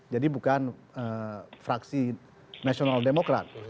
jadi bukan fraksi nasional demokrat